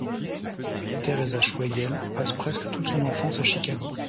Theresa Schwegel passe presque toute son enfance à Chicago.